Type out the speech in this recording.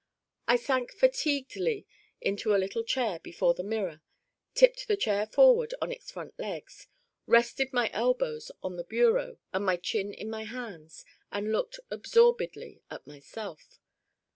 I sank fatiguedly into a little chair before the mirror, tipped the chair forward on its front legs, rested my elbows on the bureau and my chin in my hands and looked absorbedly at myself.